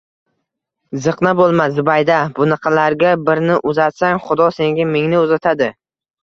-Ziqna bo’lma, Zubayda! Bunaqalarga birni uzatsang, xudo senga mingni uzatadi.